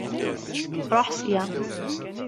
Ṛuḥ sya!